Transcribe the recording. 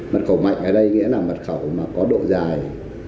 mật khẩu mạnh ở đây nghĩa là mật khẩu mà có độ dài